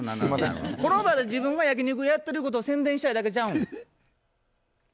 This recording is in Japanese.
この場で自分が焼き肉屋やってること宣伝したいだけちゃうん？